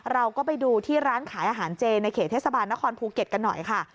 เราก็ไปดูที่ร้านขายอาหารเจในเขตเทศบาลนครภูเก็ตกันหน่อยค่ะ